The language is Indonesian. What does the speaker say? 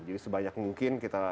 jadi sebanyak mungkin kita lakukan